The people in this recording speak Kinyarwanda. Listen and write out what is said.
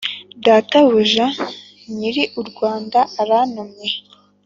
databuja nyiri urwanda arantumye